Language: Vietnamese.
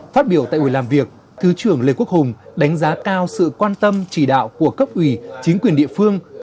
phát biểu tại buổi làm việc thứ trưởng lê quốc hùng đánh giá cao sự quan tâm chỉ đạo của cấp ủy chính quyền địa phương